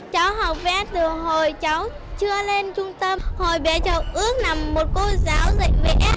cháu học vẽ từ hồi cháu chưa lên trung tâm hồi vẽ cháu ước nằm một cô giáo dạy vẽ